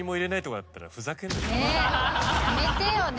やめてよね。